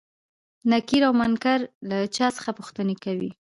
نکير او منکر له چا څخه پوښتنې کوي؟